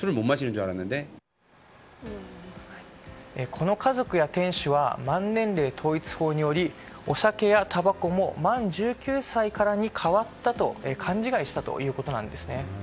この家族や店主は満年齢統一法によりお酒やたばこも満１９歳からに変わったと勘違いしたということです。